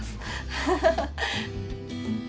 ハハハッ！